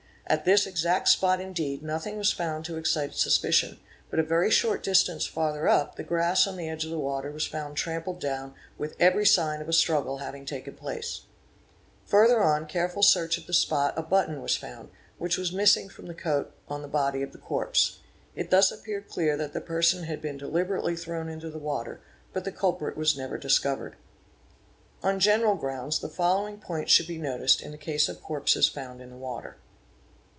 At this exact spot indeed nothing was found to excite suspicion, but a very short distance farther up the grass on the edge of the water was found trampled down with every sign of a strug 7 was found, which was missing from the coat on the body of the corpse It thus appeared clear that the person had been deliberately thrown intc the water, but the culprit was never discovered@™, . On general grounds the following points should be noticed in the . case of corpses found in the water.